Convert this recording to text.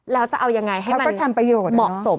แล้วจะเอายังไงให้มันเหมาะสม